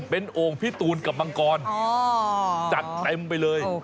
เป็นโอ่งพี่ตูนกับมังกรจัดเต็มไปเลย